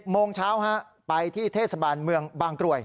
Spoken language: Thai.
โมงเช้าไปที่เทศบาลเมืองบางกรวย